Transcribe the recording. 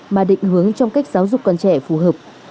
mà định hướng trong cách giáo dục còn trẻ phù hợp